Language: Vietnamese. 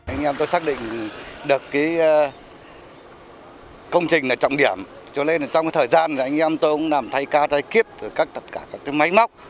anh em tôi xác định được công trình là trọng điểm cho nên trong thời gian anh em tôi cũng làm thay cao thay kiếp của tất cả các máy móc